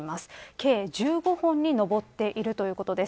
計１５本に上っているということです。